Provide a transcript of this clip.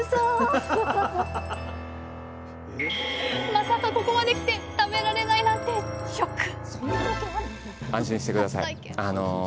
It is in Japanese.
まさかここまで来て食べられないなんてショック！